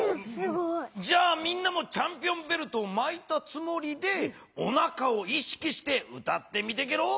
じゃあみんなもチャンピオンベルトをまいたつもりでおなかを意識して歌ってみてゲロ。